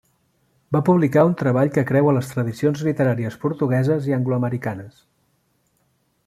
Va publicar un treball que creua les tradicions literàries portugueses i angloamericanes.